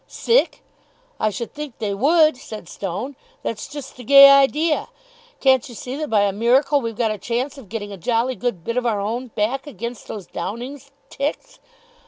"Sick! I should think they would," said Stone. "That's just the gay idea. Can't you see that by a miracle we've got a chance of getting a jolly good bit of our own back against those Downing's ticks?